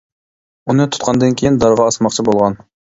ئۇنى تۇتقاندىن كېيىن دارغا ئاسماقچى بولغان.